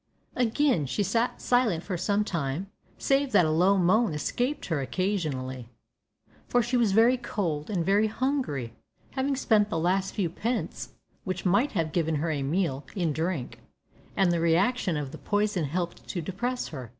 Again she sat silent for some time, save that a low moan escaped her occasionally, for she was very cold and very hungry, having spent the last few pence, which might have given her a meal, in drink; and the re action of the poison helped to depress her.